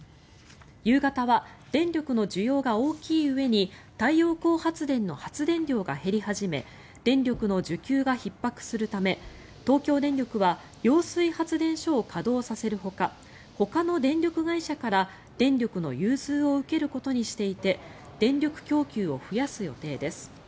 夕方は電力の需要が大きいうえに太陽光発電の発電量が減り始め電力の需給がひっ迫するため東京電力は揚水発電所を稼働させるほかほかの電力会社から電力の融通を受けることにしていて電力供給を増やす予定です。